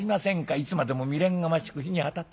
いつまでも未練がましく火にあたって。